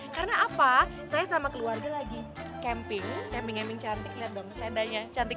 karena apa saya sama keluarga lagi camping camping camping cantiknya dong sendanya cantik